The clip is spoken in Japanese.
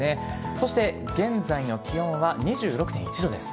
そして現在の気温は２６．１度です。